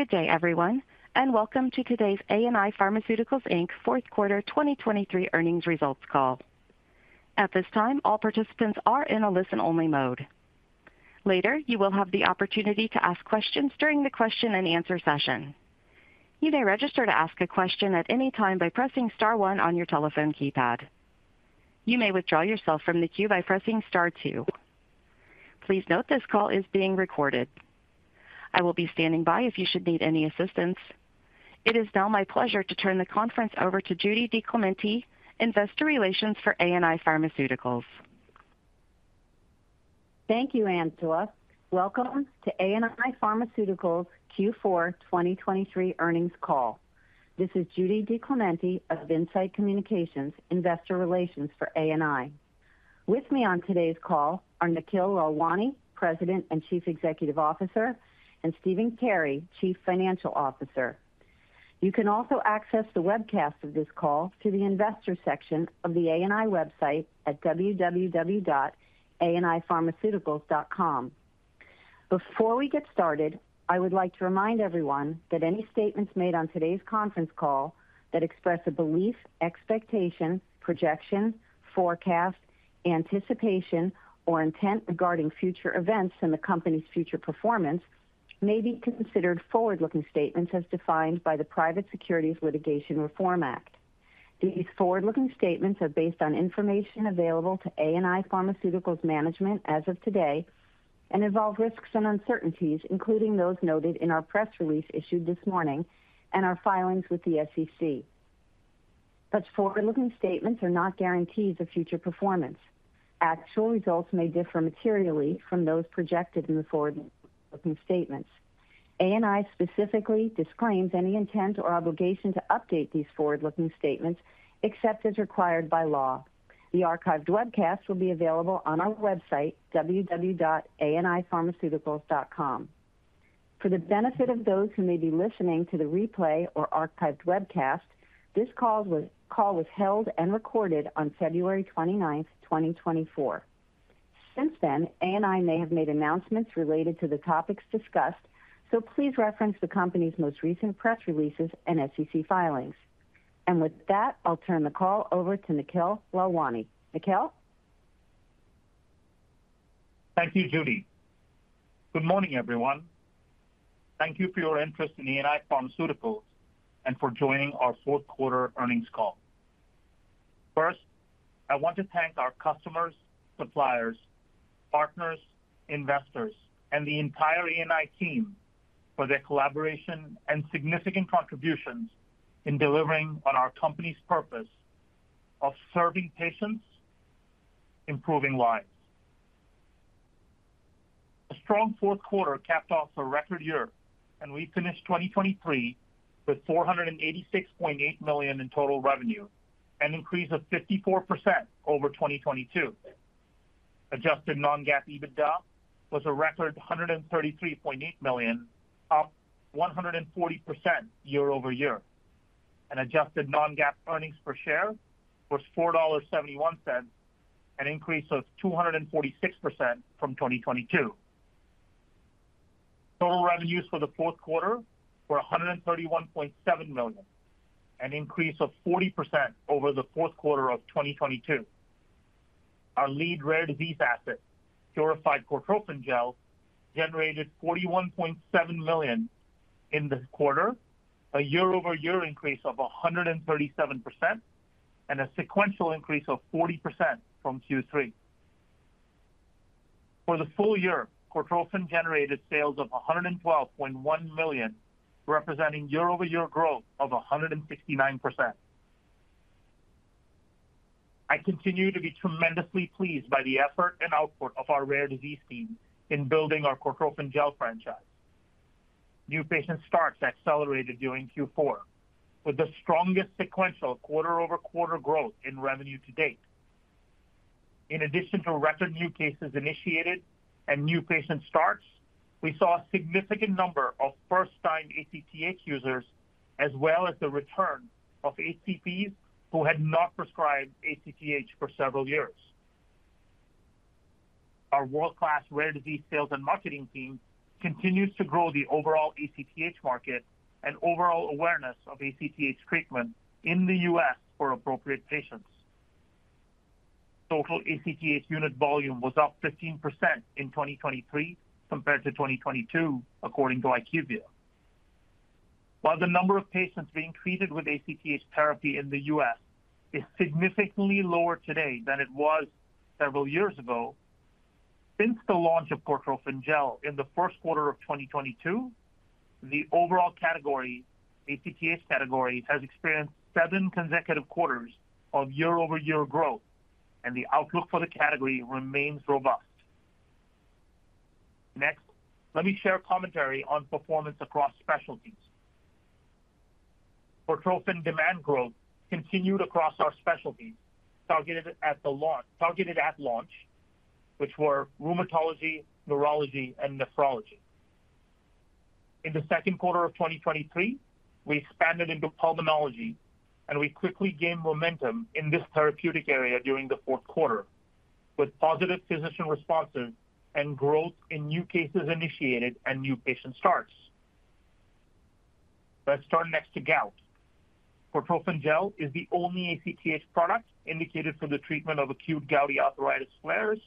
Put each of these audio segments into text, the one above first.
Good day, everyone, and welcome to today's ANI Pharmaceuticals, Inc. fourth quarter 2023 earnings results call. At this time, all participants are in a listen-only mode. Later, you will have the opportunity to ask questions during the question-and-answer session. You may register "to ask a question at any time by pressing star one" on your telephone keypad. You may withdraw yourself from the queue by "pressing star two". Please note this call is being recorded. I will be standing by if you should need any assistance. It is now my pleasure to turn the conference over to Judy DiClemente, Investor Relations for ANI Pharmaceuticals. Thank you, Antoine. Welcome to ANI Pharmaceuticals Q4 2023 earnings call. This is Judy DiClemente of Insight Communications, Investor Relations for ANI. With me on today's call are Nikhil Lalwani, President and Chief Executive Officer, and Stephen Carey, Chief Financial Officer. You can also access the webcast of this call through the Investor section of the ANI website at www.anipharmaceuticals.com. Before we get started, I would like to remind everyone that any statements made on today's conference call that express a belief, expectation, projection, forecast, anticipation, or intent regarding future events and the company's future performance may be considered forward-looking statements as defined by the Private Securities Litigation Reform Act. These forward-looking statements are based on information available to ANI Pharmaceuticals management as of today and involve risks and uncertainties, including those noted in our press release issued this morning and our filings with the SEC. Forward-looking statements are not guarantees of future performance. Actual results may differ materially from those projected in the forward-looking statements. ANI specifically disclaims any intent or obligation to update these forward-looking statements except as required by law. The archived webcast will be available on our website, www.anipharmaceuticals.com. For the benefit of those who may be listening to the replay or archived webcast, this call was held and recorded on February 29th, 2024. Since then, ANI may have made announcements related to the topics discussed, so please reference the company's most recent press releases and SEC filings. With that, I'll turn the call over to Nikhil Lalwani. Nikhil? Thank you, Judy. Good morning, everyone. Thank you for your interest in ANI Pharmaceuticals and for joining our fourth quarter earnings call. First, I want to thank our customers, suppliers, partners, investors, and the entire ANI team for their collaboration and significant contributions in delivering on our company's purpose of serving patients, improving lives. A strong fourth quarter capped off a record year, and we finished 2023 with $486.8 million in total revenue, an increase of 54% over 2022. Adjusted non-GAAP EBITDA was a record $133.8 million, up 140% year-over-year. Adjusted non-GAAP earnings per share was $4.71, an increase of 246% from 2022. Total revenues for the fourth quarter were $131.7 million, an increase of 40% over the fourth quarter of 2022. Our lead rare disease asset, Purified Cortrophin Gel, generated $41.7 million in the quarter, a year-over-year increase of 137%, and a sequential increase of 40% from Q3. For the full year, Cortrophin generated sales of $112.1 million, representing year-over-year growth of 169%. I continue to be tremendously pleased by the effort and output of our rare disease team in building our Cortrophin Gel franchise. New patient starts accelerated during Q4, with the strongest sequential quarter-over-quarter growth in revenue to date. In addition to record new cases initiated and new patient starts, we saw a significant number of first-time ACTH users, as well as the return of ACPs who had not prescribed ACTH for several years. Our world-class rare disease sales and marketing team continues to grow the overall ACTH market and overall awareness of ACTH treatment in the U.S. for appropriate patients. Total ACTH unit volume was up 15% in 2023 compared to 2022, according to IQVIA. While the number of patients being treated with ACTH therapy in the U.S. is significantly lower today than it was several years ago, since the launch of Cortrophin Gel in the first quarter of 2022, the overall category, ACTH category, has experienced seven consecutive quarters of year-over-year growth, and the outlook for the category remains robust. Next, let me share commentary on performance across specialties. Cortrophin demand growth continued across our specialties targeted at launch, which were rheumatology, neurology, and nephrology. In the second quarter of 2023, we expanded into pulmonology, and we quickly gained momentum in this therapeutic area during the fourth quarter, with positive physician responses and growth in new cases initiated and new patient starts. Let's turn next to gout. Cortrophin Gel is the only ACTH product indicated for the treatment of acute gouty arthritis flares.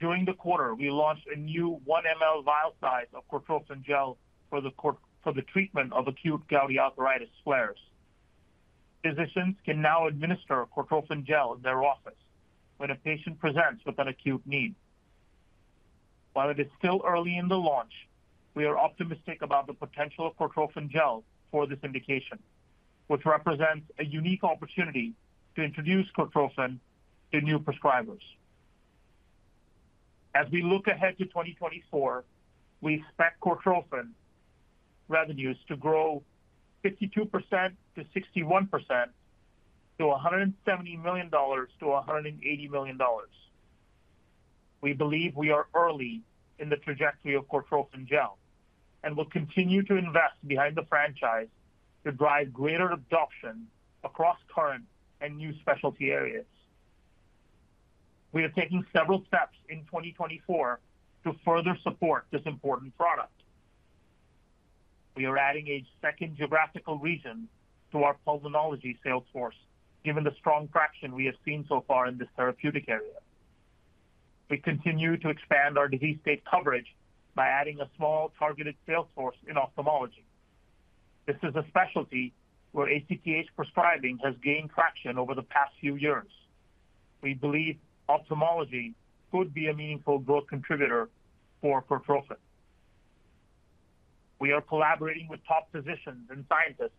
During the quarter, we launched a new 1 mL vial size of Cortrophin Gel for the treatment of acute gouty arthritis flares. Physicians can now administer Cortrophin Gel in their office when a patient presents with an acute need. While it is still early in the launch, we are optimistic about the potential of Cortrophin Gel for this indication, which represents a unique opportunity to introduce Cortrophin to new prescribers. As we look ahead to 2024, we expect Cortrophin revenues to grow 52%-61%, to $170 million-$180 million. We believe we are early in the trajectory of Cortrophin Gel and will continue to invest behind the franchise to drive greater adoption across current and new specialty areas. We are taking several steps in 2024 to further support this important product. We are adding a second geographical region to our pulmonology sales force, given the strong traction we have seen so far in this therapeutic area. We continue to expand our disease state coverage by adding a small targeted sales force in ophthalmology. This is a specialty where ACTH prescribing has gained traction over the past few years. We believe ophthalmology could be a meaningful growth contributor for Cortrophin. We are collaborating with top physicians and scientists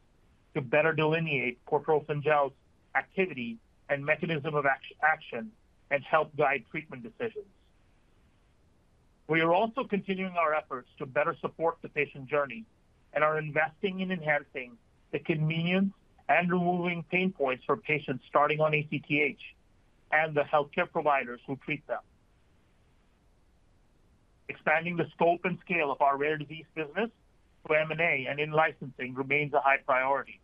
to better delineate Cortrophin Gel's activity and mechanism of action and help guide treatment decisions. We are also continuing our efforts to better support the patient journey and are investing in enhancing the convenience and removing pain points for patients starting on ACTH and the healthcare providers who treat them. Expanding the scope and scale of our rare disease business to M&A and in-licensing remains a high priority.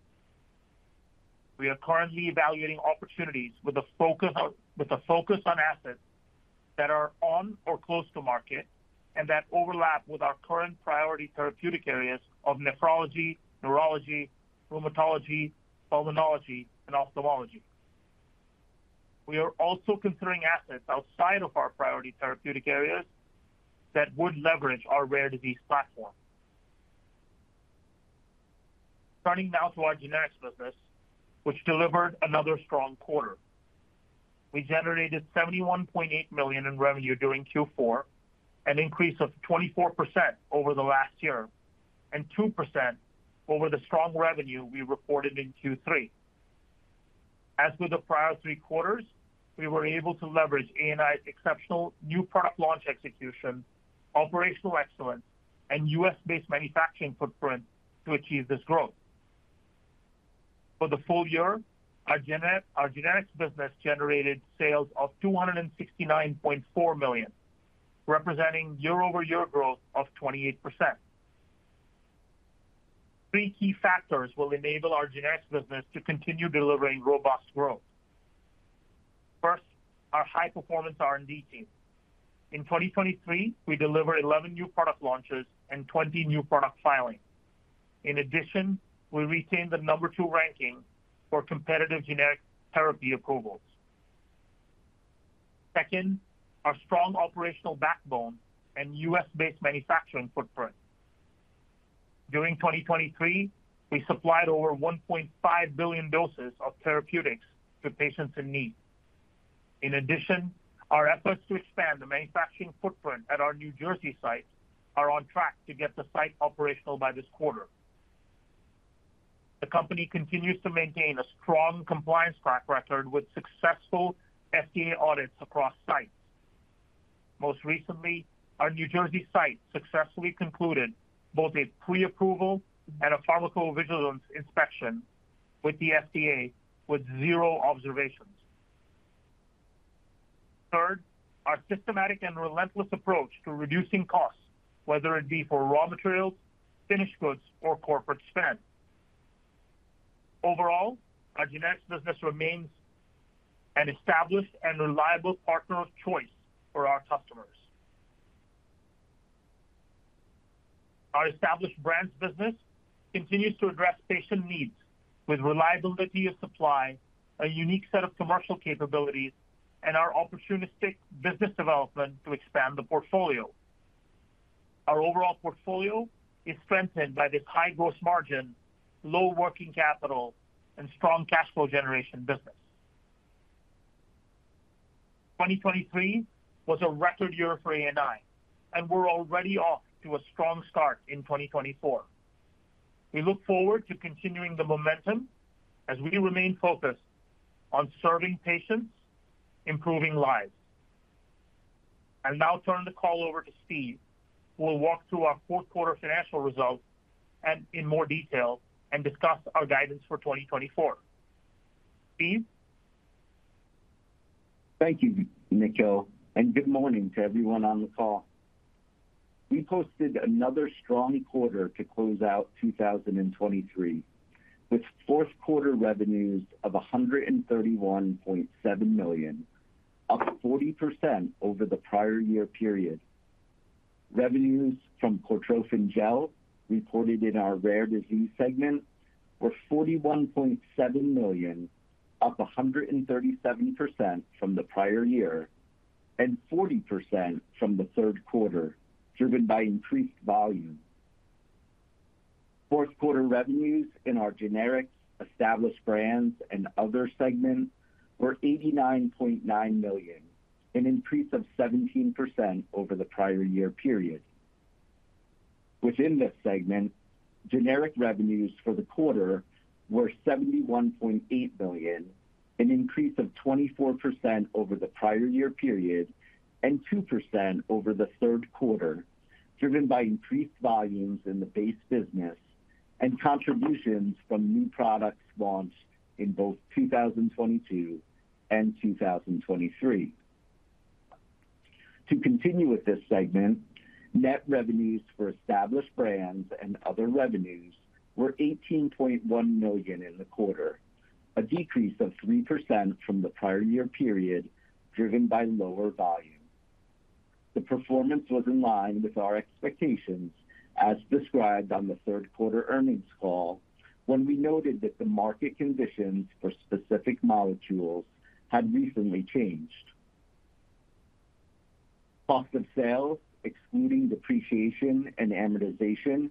We are currently evaluating opportunities with a focus on assets that are on or close to market and that overlap with our current priority therapeutic areas of nephrology, neurology, rheumatology, pulmonology, and ophthalmology. We are also considering assets outside of our priority therapeutic areas that would leverage our rare disease platform. Turning now to our generics business, which delivered another strong quarter. We generated $71.8 million in revenue during Q4, an increase of 24% over the last year and 2% over the strong revenue we reported in Q3. As with the prior three quarters, we were able to leverage ANI's exceptional new product launch execution, operational excellence, and U.S.-based manufacturing footprint to achieve this growth. For the full year, our generics business generated sales of $269.4 million, representing year-over-year growth of 28%. Three key factors will enable our generics business to continue delivering robust growth. First, our high-performance R&D team. In 2023, we delivered 11 new product launches and 20 new product filings. In addition, we retained the number two ranking for Competitive Generic Therapy approvals. Second, our strong operational backbone and U.S.-based manufacturing footprint. During 2023, we supplied over 1.5 billion doses of therapeutics to patients in need. In addition, our efforts to expand the manufacturing footprint at our New Jersey site are on track to get the site operational by this quarter. The company continues to maintain a strong compliance track record with successful FDA audits across sites. Most recently, our New Jersey site successfully concluded both a pre-approval and a pharmacovigilance inspection with the FDA with zero observations. Third, our systematic and relentless approach to reducing costs, whether it be for raw materials, finished goods, or corporate spend. Overall, our generics business remains an established and reliable partner of choice for our customers. Our established brands business continues to address patient needs with reliability of supply, a unique set of commercial capabilities, and our opportunistic business development to expand the portfolio. Our overall portfolio is strengthened by this high gross margin, low working capital, and strong cash flow generation business. 2023 was a record year for ANI, and we're already off to a strong start in 2024. We look forward to continuing the momentum as we remain focused on serving patients, improving lives. I'll now turn the call over to Steve, who will walk through our fourth quarter financial results in more detail and discuss our guidance for 2024. Steve? Thank you, Nikhil, and good morning to everyone on the call. We posted another strong quarter to close out 2023 with fourth quarter revenues of $131.7 million, up 40% over the prior year period. Revenues from Cortrophin Gel reported in our rare disease segment were $41.7 million, up 137% from the prior year and 40% from the third quarter, driven by increased volume. Fourth quarter revenues in our generics, established brands, and other segment were $89.9 million, an increase of 17% over the prior year period. Within this segment, generic revenues for the quarter were $71.8 million, an increase of 24% over the prior year period and 2% over the third quarter, driven by increased volumes in the base business and contributions from new products launched in both 2022 and 2023. To continue with this segment, net revenues for established brands and other revenues were $18.1 million in the quarter, a decrease of 3% from the prior year period, driven by lower volume. The performance was in line with our expectations, as described on the third quarter earnings call, when we noted that the market conditions for specific molecules had recently changed. Cost of sales, excluding depreciation and amortization,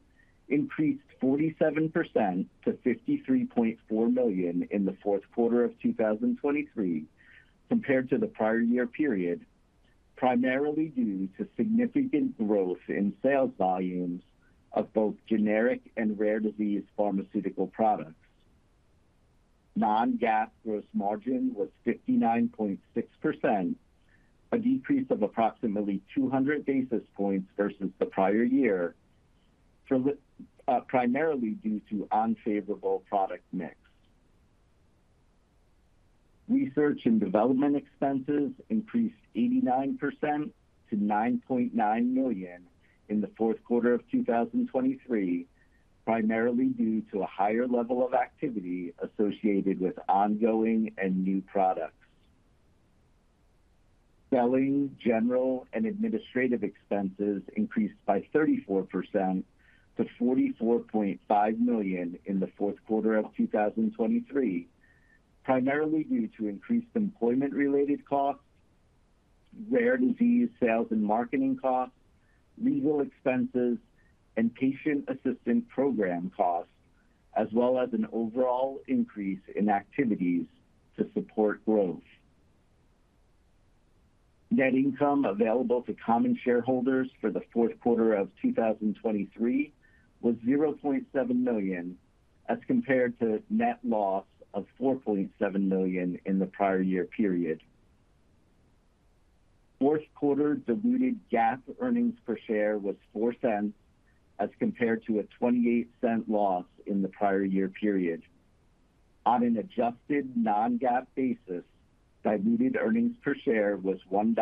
increased 47% to $53.4 million in the fourth quarter of 2023 compared to the prior year period, primarily due to significant growth in sales volumes of both generic and rare disease pharmaceutical products. Non-GAAP gross margin was 59.6%, a decrease of approximately 200 basis points versus the prior year, primarily due to unfavorable product mix. Research and development expenses increased 89% to $9.9 million in the fourth quarter of 2023, primarily due to a higher level of activity associated with ongoing and new products. Selling, general, and administrative expenses increased by 34% to $44.5 million in the fourth quarter of 2023, primarily due to increased employment-related costs, rare disease sales and marketing costs, legal expenses, and patient assistance program costs, as well as an overall increase in activities to support growth. Net income available to common shareholders for the fourth quarter of 2023 was $0.7 million as compared to net loss of $4.7 million in the prior year period. Fourth quarter diluted GAAP earnings per share was $0.04 as compared to a $0.28 loss in the prior year period. On an adjusted non-GAAP basis, diluted earnings per share was $1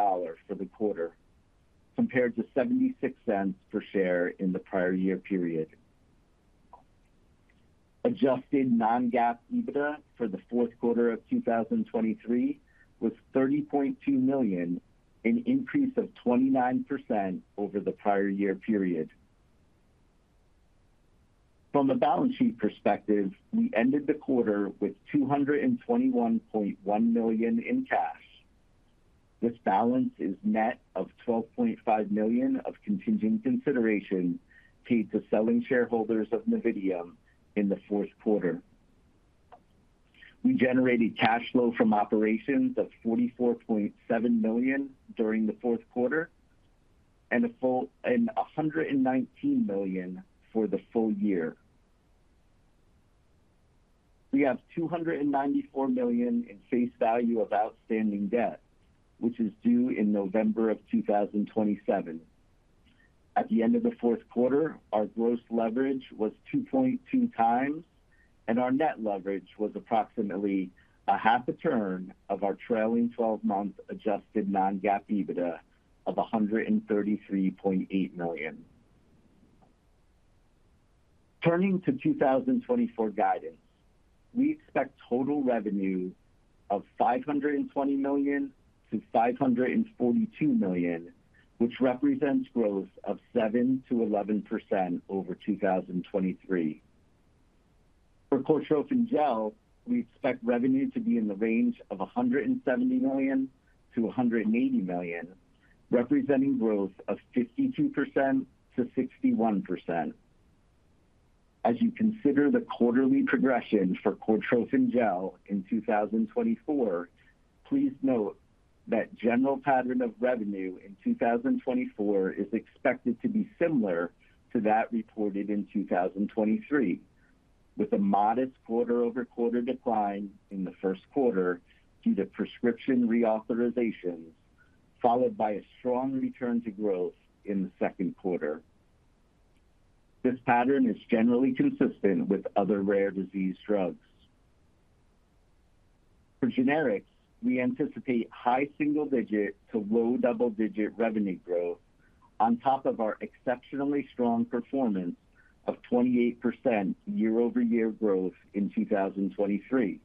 for the quarter, compared to $0.76 per share in the prior year period. Adjusted Non-GAAP EBITDA for the fourth quarter of 2023 was $30.2 million, an increase of 29% over the prior year period. From a balance sheet perspective, we ended the quarter with $221.1 million in cash. This balance is net of $12.5 million of contingent consideration paid to selling shareholders of Novitium in the fourth quarter. We generated cash flow from operations of $44.7 million during the fourth quarter and $119 million for the full year. We have $294 million in face value of outstanding debt, which is due in November of 2027. At the end of the fourth quarter, our gross leverage was 2.2x, and our net leverage was approximately 0.5 turn of our trailing 12-month adjusted Non-GAAP EBITDA of $133.8 million. Turning to 2024 guidance, we expect total revenue of $520 million-$542 million, which represents growth of 7%-11% over 2023. For Cortrophin Gel, we expect revenue to be in the range of $170 million-$180 million, representing growth of 52%-61%. As you consider the quarterly progression for Cortrophin Gel in 2024, please note that general pattern of revenue in 2024 is expected to be similar to that reported in 2023, with a modest quarter-over-quarter decline in the first quarter due to prescription reauthorizations, followed by a strong return to growth in the second quarter. This pattern is generally consistent with other rare disease drugs. For generics, we anticipate high single-digit to low double-digit revenue growth on top of our exceptionally strong performance of 28% year-over-year growth in 2023.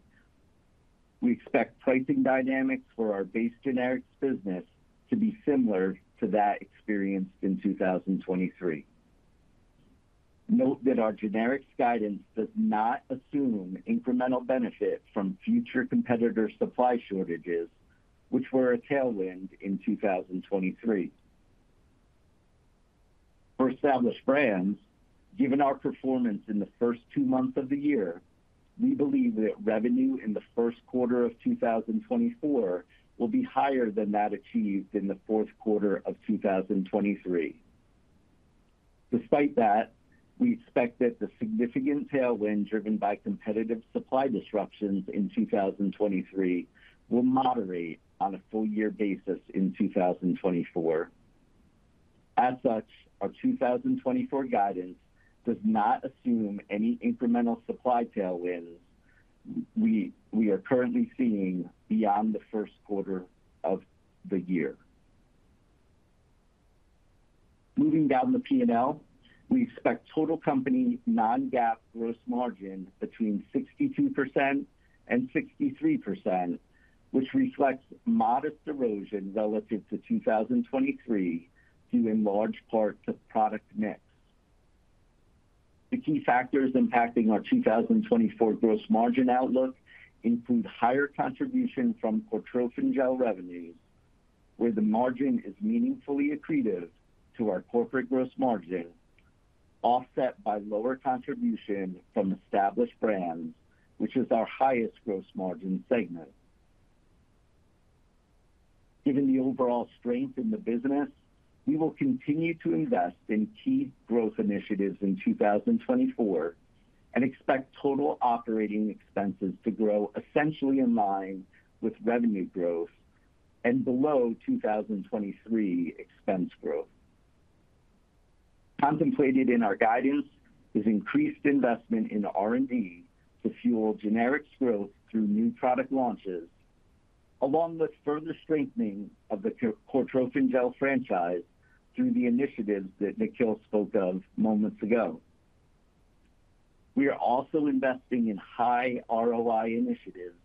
We expect pricing dynamics for our base generics business to be similar to that experienced in 2023. Note that our generics guidance does not assume incremental benefit from future competitor supply shortages, which were a tailwind in 2023. For established brands, given our performance in the first two months of the year, we believe that revenue in the first quarter of 2024 will be higher than that achieved in the fourth quarter of 2023. Despite that, we expect that the significant tailwind driven by competitive supply disruptions in 2023 will moderate on a full-year basis in 2024. As such, our 2024 guidance does not assume any incremental supply tailwinds we are currently seeing beyond the first quarter of the year. Moving down the P&L, we expect total company non-GAAP gross margin 62%-63%, which reflects modest erosion relative to 2023 due in large part to product mix. The key factors impacting our 2024 gross margin outlook include higher contribution from Cortrophin Gel revenues, where the margin is meaningfully accretive to our corporate gross margin, offset by lower contribution from established brands, which is our highest gross margin segment. Given the overall strength in the business, we will continue to invest in key growth initiatives in 2024 and expect total operating expenses to grow essentially in line with revenue growth and below 2023 expense growth. Contemplated in our guidance is increased investment in R&D to fuel generics growth through new product launches, along with further strengthening of the Cortrophin Gel franchise through the initiatives that Nikhil spoke of moments ago. We are also investing in high ROI initiatives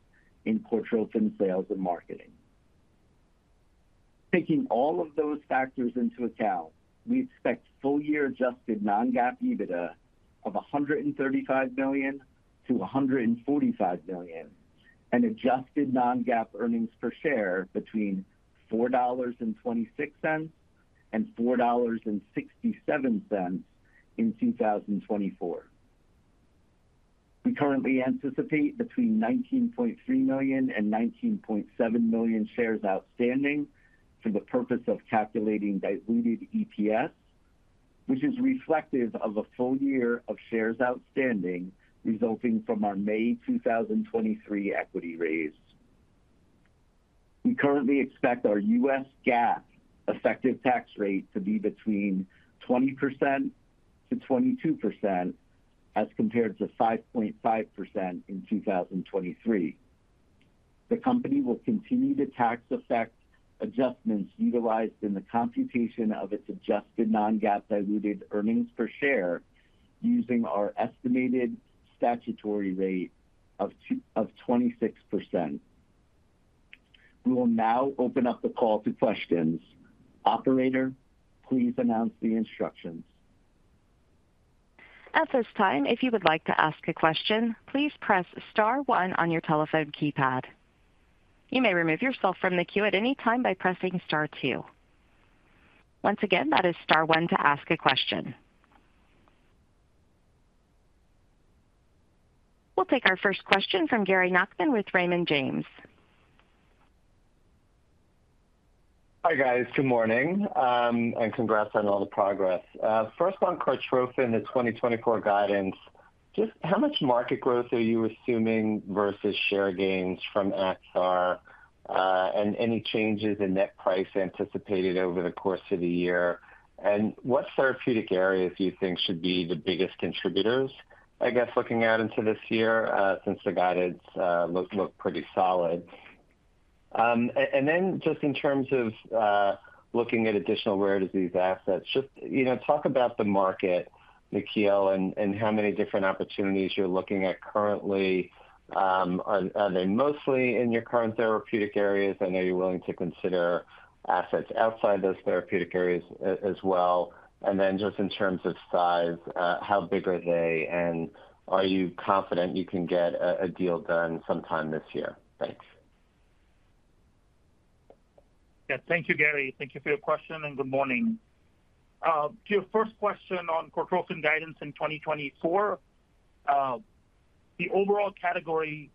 in Cortrophin sales and marketing. Taking all of those factors into account, we expect full-year adjusted non-GAAP EBITDA of $135 million-$145 million, and adjusted non-GAAP earnings per share between $4.26 and $4.67 in 2024. We currently anticipate between 19.3 million and 19.7 million shares outstanding for the purpose of calculating diluted EPS, which is reflective of a full year of shares outstanding resulting from our May 2023 equity raise. We currently expect our U.S. GAAP effective tax rate to be between 20%-22% as compared to 5.5% in 2023. The company will continue to tax effect adjustments utilized in the computation of its adjusted non-GAAP diluted earnings per share using our estimated statutory rate of 26%. We will now open up the call to questions. Operator, please announce the instructions. At this time, if you would like to ask a question, please press star 1 on your telephone keypad. You may remove yourself from the queue at any time by pressing star 2. Once again, that is star 1 to ask a question. We'll take our first question from Gary Nachman with Raymond James. Hi guys. Good morning. And congrats on all the progress. First, on Cortrophin's 2024 guidance, just how much market growth are you assuming versus share gains from Axar, and any changes in net price anticipated over the course of the year? And what therapeutic areas do you think should be the biggest contributors, I guess, looking out into this year since the guidance looked pretty solid? And then just in terms of looking at additional rare disease assets, just talk about the market, Nikhil, and how many different opportunities you're looking at currently. Are they mostly in your current therapeutic areas? I know you're willing to consider assets outside those therapeutic areas as well. And then just in terms of size, how big are they? And are you confident you can get a deal done sometime this year? Thanks. Yeah. Thank you, Gary. Thank you for your question, and good morning. To your first question on Cortrophin guidance in 2024, the overall category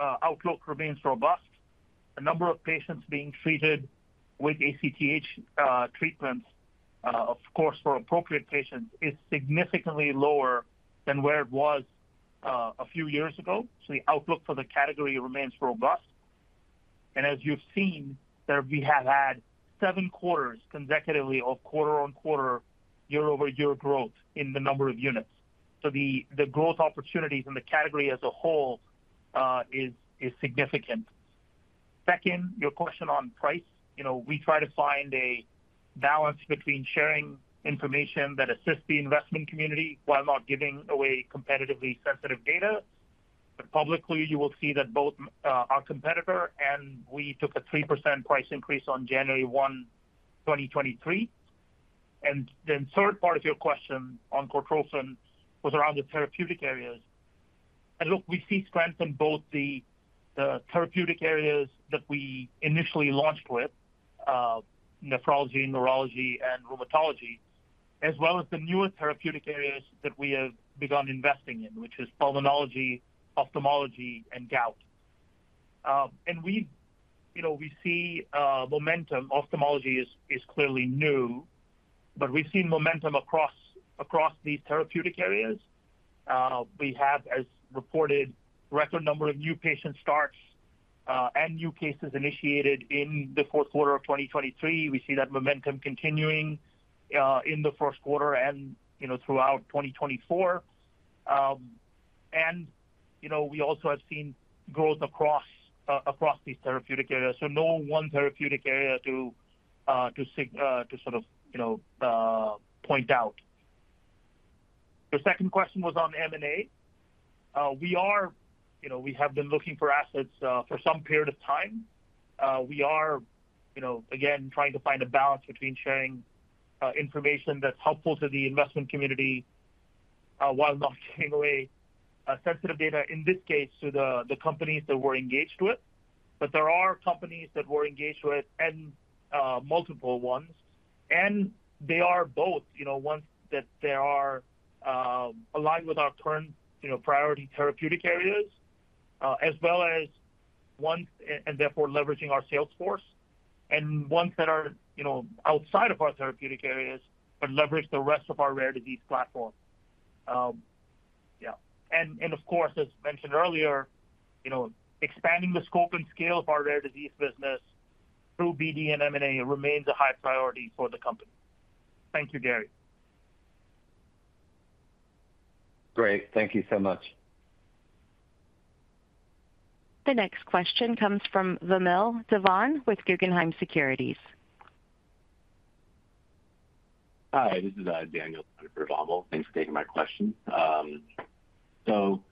outlook remains robust. The number of patients being treated with ACTH treatments, of course, for appropriate patients is significantly lower than where it was a few years ago. So the outlook for the category remains robust. And as you've seen, we have had seven quarters consecutively of quarter-on-quarter year-over-year growth in the number of units. So the growth opportunities in the category as a whole is significant. Second, your question on price, we try to find a balance between sharing information that assists the investment community while not giving away competitively sensitive data. But publicly, you will see that both our competitor and we took a 3% price increase on January 1, 2023. Then the third part of your question on Cortrophin was around the therapeutic areas. Look, we see strength in both the therapeutic areas that we initially launched with, nephrology, neurology, and rheumatology, as well as the newer therapeutic areas that we have begun investing in, which is pulmonology, ophthalmology, and gout. We see momentum. Ophthalmology is clearly new, but we've seen momentum across these therapeutic areas. We have, as reported, a record number of new patient starts and new cases initiated in the fourth quarter of 2023. We see that momentum continuing in the first quarter and throughout 2024. We also have seen growth across these therapeutic areas. So no one therapeutic area to sort of point out. Your second question was on M&A. We have been looking for assets for some period of time. We are, again, trying to find a balance between sharing information that's helpful to the investment community while not giving away sensitive data, in this case, to the companies that we're engaged with. But there are companies that we're engaged with, and multiple ones, and they are both ones that are aligned with our current priority therapeutic areas, as well as ones and therefore leveraging our sales force, and ones that are outside of our therapeutic areas but leverage the rest of our rare disease platform. Yeah. And of course, as mentioned earlier, expanding the scope and scale of our rare disease business through BD and M&A remains a high priority for the company. Thank you, Gary. Great. Thank you so much. The next question comes from Vamil Divan with Guggenheim Securities. Hi. This is Daniel Raynor for Vamil. Thanks for taking my question. So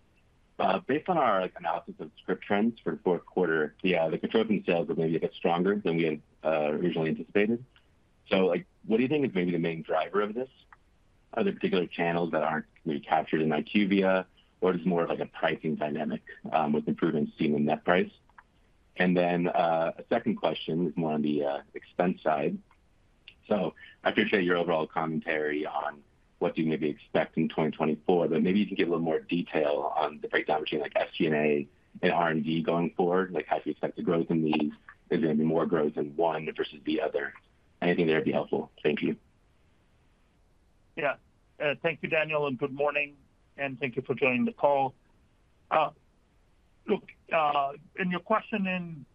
based on our analysis of Script Trends for the fourth quarter, the Cortrophin sales were maybe a bit stronger than we had originally anticipated. So what do you think is maybe the main driver of this? Are there particular channels that aren't maybe captured in IQVIA, or is it more of a pricing dynamic with improvements seen in net price? And then a second question is more on the expense side. So I appreciate your overall commentary on what do you maybe expect in 2024, but maybe you can give a little more detail on the breakdown between SG&A and R&D going forward, like how do you expect the growth in these? Is there going to be more growth in one versus the other? Anything there would be helpful. Thank you. Yeah. Thank you, Daniel, and good morning. Thank you for joining the call. Look, in your question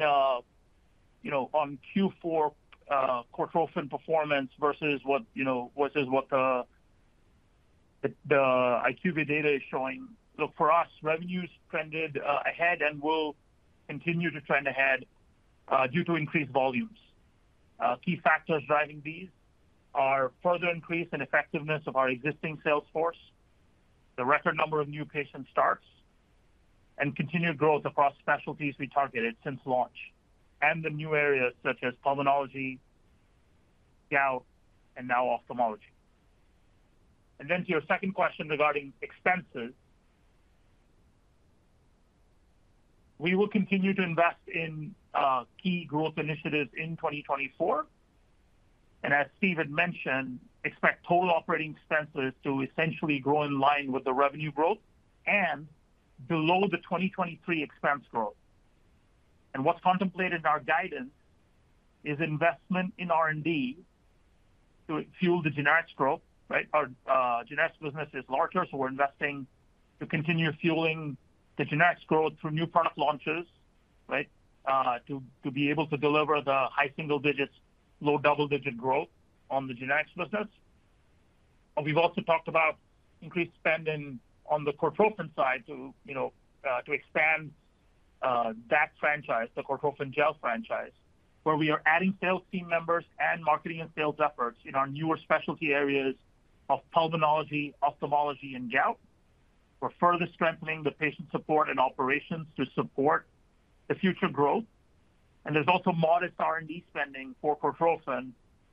on Q4 Cortrophin performance versus what the IQVIA data is showing, look, for us, revenues trended ahead and will continue to trend ahead due to increased volumes. Key factors driving these are further increase in effectiveness of our existing sales force, the record number of new patient starts, and continued growth across specialties we targeted since launch, and the new areas such as pulmonology, gout, and now ophthalmology. Then to your second question regarding expenses, we will continue to invest in key growth initiatives in 2024. As Steve had mentioned, expect total operating expenses to essentially grow in line with the revenue growth and below the 2023 expense growth. What's contemplated in our guidance is investment in R&D to fuel the generics growth, right? Our generics business is larger, so we're investing to continue fueling the generics growth through new product launches, right, to be able to deliver the high single-digit, low double-digit growth on the generics business. We've also talked about increased spend on the Cortrophin side to expand that franchise, the Cortrophin Gel franchise, where we are adding sales team members and marketing and sales efforts in our newer specialty areas of pulmonology, ophthalmology, and gout for further strengthening the patient support and operations to support the future growth. And there's also modest R&D spending for Cortrophin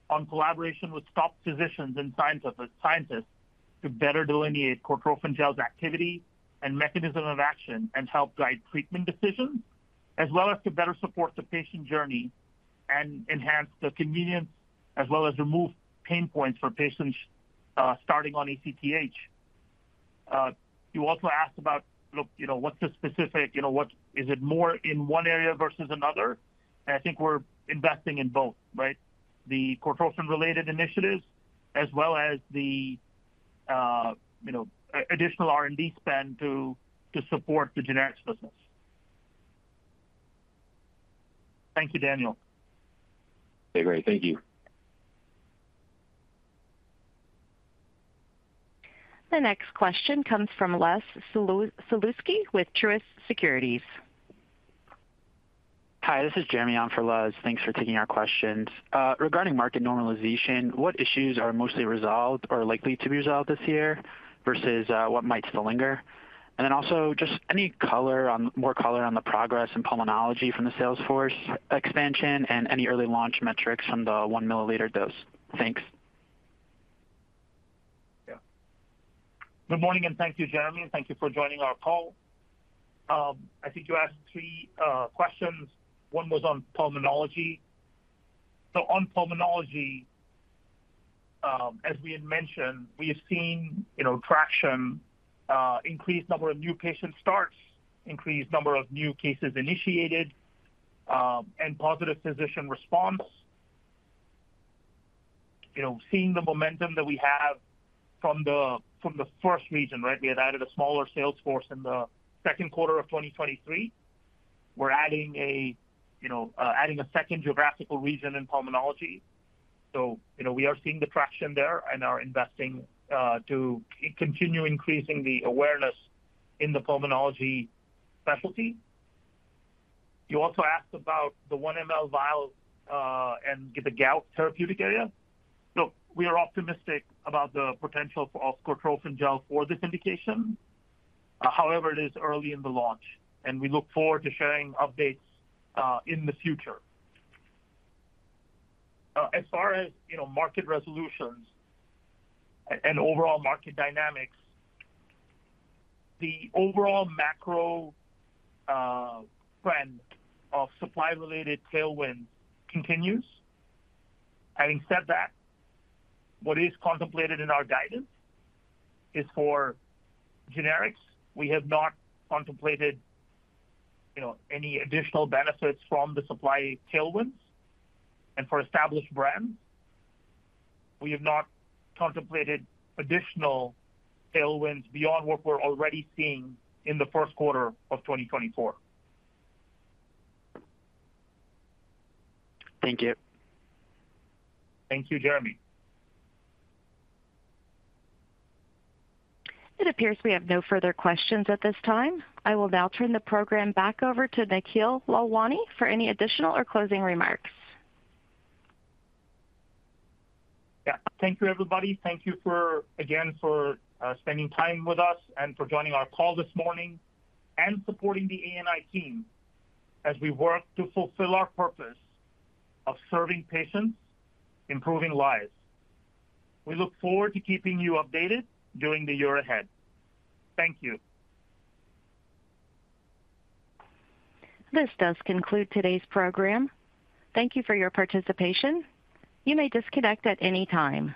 on collaboration with top physicians and scientists to better delineate Cortrophin Gel's activity and mechanism of action and help guide treatment decisions, as well as to better support the patient journey and enhance the convenience as well as remove pain points for patients starting on ACTH. You also asked about, look, what's the specific? Is it more in one area versus another? I think we're investing in both, right, the Cortrophin-related initiatives as well as the additional R&D spend to support the generics business. Thank you, Daniel. Okay. Great. Thank you. The next question comes from Les Sulewski with Truist Securities. Hi. This is Jeremy on for Les. Thanks for taking our questions. Regarding market normalization, what issues are mostly resolved or likely to be resolved this year versus what might still linger? And then also just any more color on the progress in pulmonology from the sales force expansion and any early launch metrics from the 1 milliliter dose. Thanks. Yeah. Good morning, and thank you, Jeremy. And thank you for joining our call. I think you asked three questions. One was on pulmonology. So on pulmonology, as we had mentioned, we have seen traction, increased number of new patient starts, increased number of new cases initiated, and positive physician response. Seeing the momentum that we have from the first region, right? We had added a smaller sales force in the second quarter of 2023. We're adding a second geographical region in pulmonology. So we are seeing the traction there, and we are investing to continue increasing the awareness in the pulmonology specialty. You also asked about the 1 ml vial and the gout therapeutic area. Look, we are optimistic about the potential of Cortrophin Gel for this indication. However, it is early in the launch, and we look forward to sharing updates in the future. As far as market resolutions and overall market dynamics, the overall macro trend of supply-related tailwinds continues. Having said that, what is contemplated in our guidance is for generics, we have not contemplated any additional benefits from the supply tailwinds. For established brands, we have not contemplated additional tailwinds beyond what we're already seeing in the first quarter of 2024. Thank you. Thank you, Jeremy. It appears we have no further questions at this time. I will now turn the program back over to Nikhil Lalwani for any additional or closing remarks. Yeah. Thank you, everybody. Thank you, again, for spending time with us and for joining our call this morning and supporting the ANI team as we work to fulfill our purpose of serving patients, improving lives. We look forward to keeping you updated during the year ahead. Thank you. This does conclude today's program. Thank you for your participation. You may disconnect at any time.